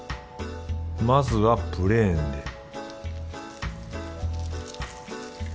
まずはプレーンで